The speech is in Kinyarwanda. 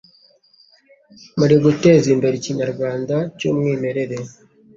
muri guteza imbere ikinyarwanda cy'umwimerere.